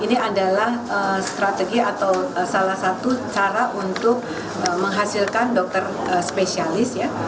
ini adalah strategi atau salah satu cara untuk menghasilkan dokter spesialis ya